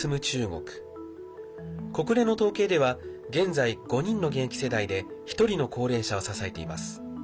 国連の統計では現在、５人の現役世代で１人の高齢者を支えています。